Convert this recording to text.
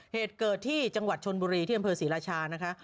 เหตุเกิดที่จังหวัดชนบุรีที่อำเภอศรีราชานะคะ